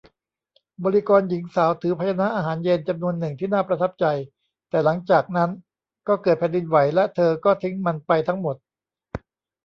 บริกรหญิงสาวถือภาชนะอาหารเย็นจำนวนหนึ่งที่น่าประทับใจ แต่หลังจากนั้นก็เกิดแผ่นดินไหวและเธอก็ทิ้งมันไปทั้งหมด